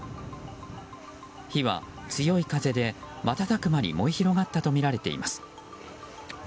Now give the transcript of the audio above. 火は強い風で瞬く間に燃え広がったとみられています。